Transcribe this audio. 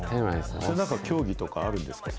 それなんか、競技とかあるんですか？